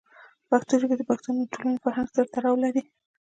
پښتو ژبه د پښتنو د ټولنې فرهنګ سره تړاو لري.